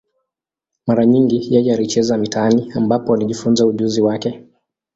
Mara nyingi yeye alicheza mitaani, ambapo alijifunza ujuzi wake.